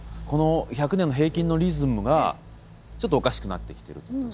この１００年の平均のリズムがちょっとおかしくなってきてるってことですか？